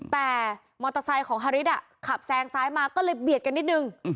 แต่มอเตอร์ไซค์ของฮาริสขับแซงซ้ายมาก็เลยเบียดกันนิดนึง